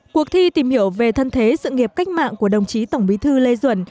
cuộc thi tìm hiểu về thân thế sự nghiệp cách mạng của đồng chí tổng bí thư lê duẩn